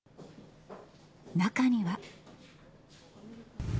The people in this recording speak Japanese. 中には。